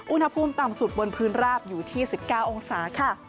อุณหภูมิต่ำสุดบนพื้นราบอยู่ที่๑๙องศาค่ะ